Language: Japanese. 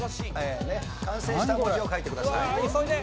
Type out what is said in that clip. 完成した文字を書いてください。